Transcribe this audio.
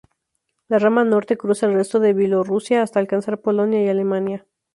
La rama norte cruza el resto de Bielorrusia hasta alcanzar Polonia y Alemania.